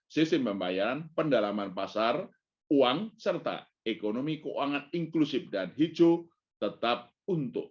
sistem pembayaran pendalaman pasar uang serta ekonomi keuangan inklusif dan hijau tetap untuk